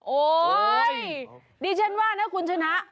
โอ๊ยดิฉันว่านะคุณชนะ